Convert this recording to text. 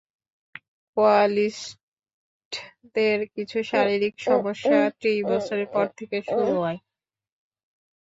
কোয়ালিস্টদের কিছু শারীরিক সমস্যা ত্রিশ বছরের পর থেকে শুরু হয়।